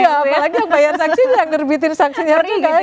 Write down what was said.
apalagi yang membayar saksi yang menerbitkan sanksinya